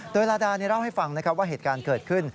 โดยลาดาเล่าให้ฟังนะครับว่าเหตุการณ์เกิดขึ้น